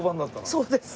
そうです。